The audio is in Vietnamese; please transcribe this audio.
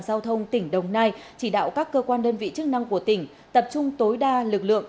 giao thông tỉnh đồng nai chỉ đạo các cơ quan đơn vị chức năng của tỉnh tập trung tối đa lực lượng